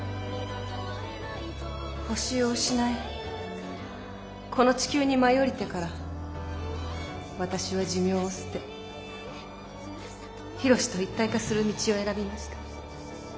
星を失いこの地球に舞い降りてから私は寿命を捨てヒロシと一体化する道を選びました。